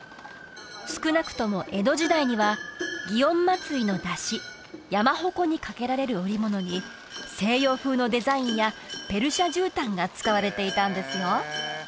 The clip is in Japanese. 少なくとも江戸時代には祇園祭の山車山鉾に掛けられる織物に西洋風のデザインやペルシャじゅうたんが使われていたんですよ